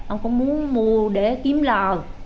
ông cũng muốn mua để kiếm lò